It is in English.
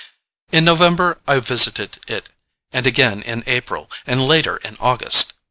In November I visited it, and again in April, and later in August.